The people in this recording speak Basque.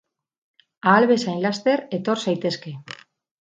Ahal bezain laster etor zaitezke.